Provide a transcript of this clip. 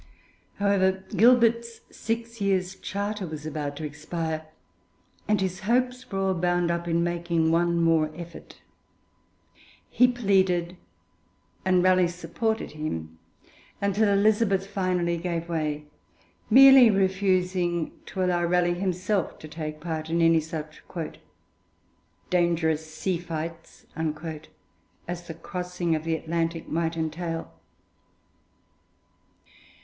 However, Gilbert's six years' charter was about to expire, and his hopes were all bound up in making one more effort. He pleaded, and Raleigh supported him, until Elizabeth finally gave way, merely refusing to allow Raleigh himself to take part in any such 'dangerous sea fights' as the crossing of the Atlantic might entail.